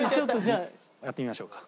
やってみましょうか。